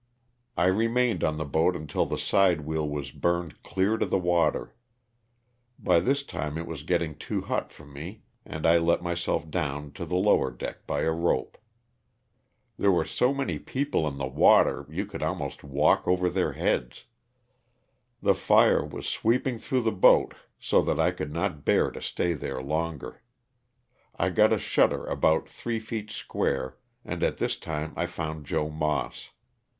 I remained 104 LOSS OF THE SULTANA. on the boat until the side wheel was burned clear to the water; by this time it was getting too hot for me and I let myself down to the lower deck by a rope. There were so many people in the water you could almost walk over their heads. The fire was sweeping through the boat so that I could not bear to stay there longer. I got a shutter about three feet square, and at this time I found Joe Moss.